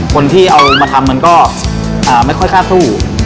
คนที่เอามาทำมันก็ไม่ค่อยกล้าสู้